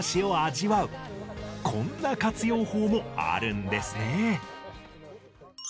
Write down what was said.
こんな活用法もあるんですね